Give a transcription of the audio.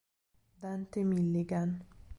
Dante Milligan